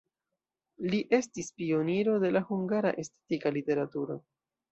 Li estis pioniro de la hungara estetika literaturo.